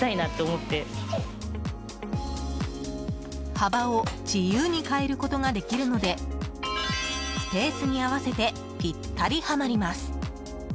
幅を自由に変えることができるのでスペースに合わせてぴったりはまります。